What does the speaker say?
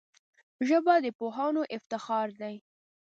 ژبه د پوهانو افتخار دی